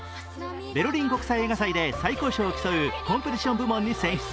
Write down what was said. ベルリン国際映画祭で最高賞を競うコンペティション部門に選出。